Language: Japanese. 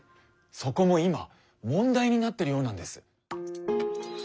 そこも今問題になってるようなんです。